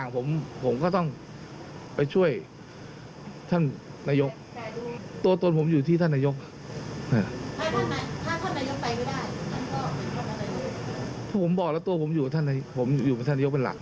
ผมบอกแล้วตัวผมอยู่ท่านผมอยู่กับท่านนายกเป็นหลัก